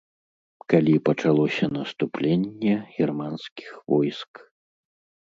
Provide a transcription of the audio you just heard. Калі пачалося наступленне германскіх войск.